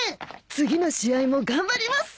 次の試合も頑張ります！